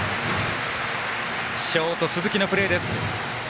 ショート鈴木のプレーです。